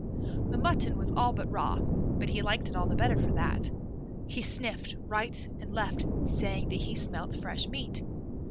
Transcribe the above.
The mutton was all but raw, but he liked it all the better for that. He sniffed right and left, saying that he smelt fresh meat.